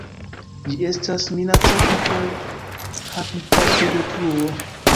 Ĝi estas minacata per habitatodetruo.